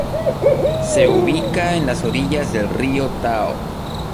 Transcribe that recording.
Se ubica en las orillas del Río Tao.